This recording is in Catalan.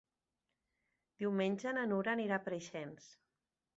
Diumenge na Nura anirà a Preixens.